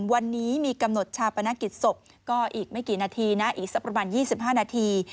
วันนี้มีกำหนดชาปนกิจศพก็อีกไม่กี่นาทีนะอีกสักประมาณ๒๕นาที